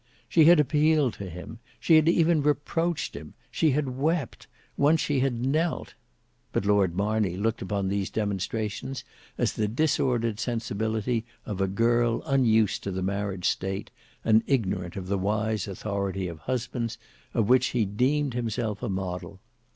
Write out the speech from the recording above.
She had appealed to him, she had even reproached him; she had wept, once she had knelt. But Lord Marney looked upon these demonstrations as the disordered sensibility of a girl unused to the marriage state, and ignorant of the wise authority of husbands, of which he deemed himself a model.